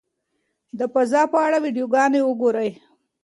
د فضا په اړه ویډیوګانې وګورئ.